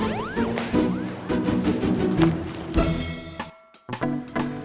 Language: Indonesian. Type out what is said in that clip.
kayan jadi ini udah lama